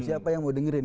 siapa yang mau dengerin